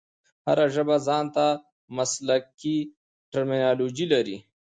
هره ژبه ځان ته مسلکښي ټرمینالوژي لري.